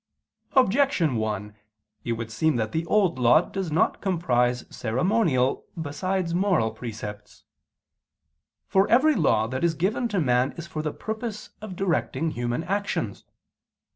Objection 1: It would seem that the Old Law does not comprise ceremonial, besides moral, precepts. For every law that is given to man is for the purpose of directing human actions.